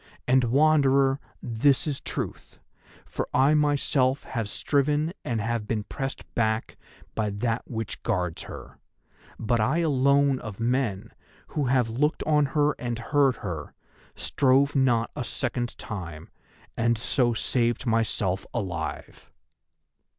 And, Wanderer, this is truth, for I myself have striven and have been pressed back by that which guards her. But I alone of men who have looked on her and heard her, strove not a second time, and so saved myself alive."